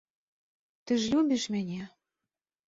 Ты ж любіш мяне?